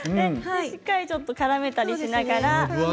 しっかりからめたりしながら。